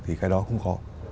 thì cái đó không khổ